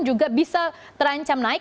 juga bisa terancam naik